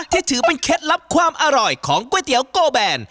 ถือเป็นเคล็ดลับความอร่อยของก๋วยเตี๋ยวโกแบน